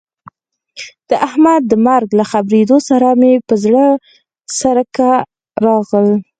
د احمد د مرګ له خبرېدو سره مې په زړه کې څړیکه راغله.